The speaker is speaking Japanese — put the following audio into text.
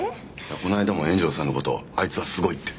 この間も円城寺さんの事あいつはすごいって。